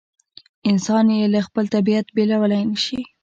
انسان یې له خپل طبیعت بېلولای نه شي.